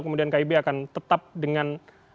kemudian kib akan tetap dengan